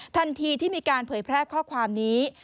ทันทีที่มีการเผยแพร่ข้อความนี้